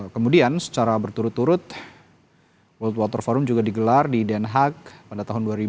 kemudian secara berturut turut world water forum juga digelar di den haag pada tahun dua ribu dua